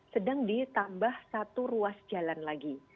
sedang ditambah satu ruas jalan lagi